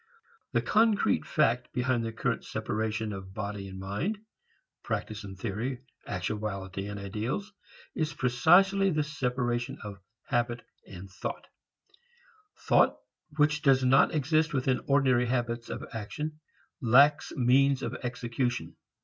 The concrete fact behind the current separation of body and mind, practice and theory, actualities and ideals, is precisely this separation of habit and thought. Thought which does not exist within ordinary habits of action lacks means of execution.